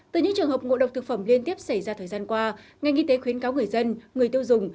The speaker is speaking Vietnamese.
từ những trường hợp ngộ độc thực phẩm liên tiếp xảy ra thời gian qua ngành y tế khuyến cáo người dân người tiêu dùng